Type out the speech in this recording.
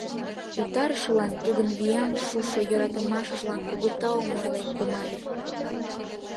Утарышылан, Тудын вияҥ шушо йӧратымашыжлан кугу таум ойлен кумале.